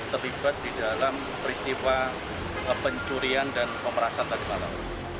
terlibat di dalam peristiwa pencurian dan pemerasan tadi malam